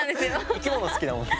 生き物好きだもんね。